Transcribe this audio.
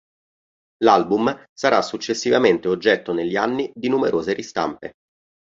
L'album sarà successivamente oggetto negli anni di numerose ristampe.